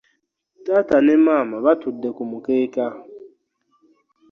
Taata ne Maama batudde ku mukeeka.